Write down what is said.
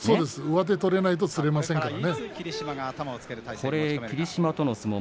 上手を取れなければつれませんからね。